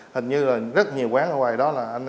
hình như là rất nhiều quán ở ngoài đó